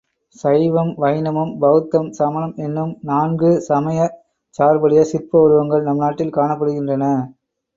சைவம், வைணவம், பௌத்தம், சமணம் என்னும் நான்கு சமயச் சார்புடைய சிற்ப உருவங்கள் நம் நாட்டில் காணப்படுகின்றன.